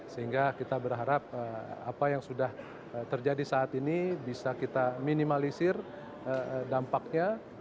sehingga kita berharap apa yang sudah terjadi saat ini bisa kita minimalisir dampaknya